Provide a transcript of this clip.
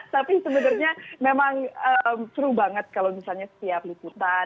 tapi sebenarnya memang seru banget kalau misalnya setiap liputan